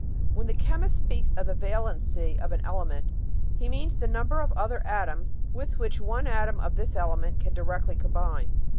When the chemist speaks of the valency of an element, he means the number of other atoms, with which one atom of this element can directly combine.